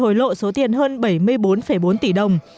hối lộ số tiền hơn bảy mươi bốn bốn tỷ đồng